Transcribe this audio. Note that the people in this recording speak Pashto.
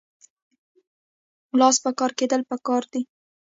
لاس په کار کیدل پکار دي